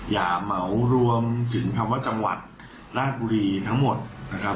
อย่าเหมารวมถึงคำว่าจังหวัดราชบุรีทั้งหมดนะครับ